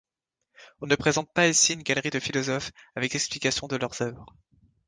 On ne présente pas ici une galerie de philosophes, avec explication de leurs œuvres.